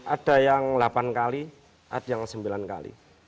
ada yang delapan kali ada yang sembilan kali